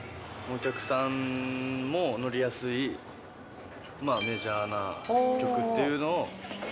お客さんも乗りやすい、メジャーな曲っていうのを。